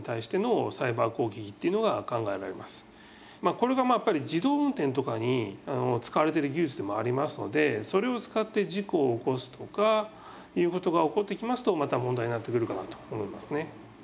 まあこれがやっぱり自動運転とかに使われてる技術でもありますのでそれを使って事故を起こすとかいうことが起こってきますとまた問題になってくるかなと思いますね。